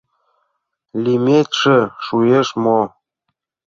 — Лийметше шуэш мо?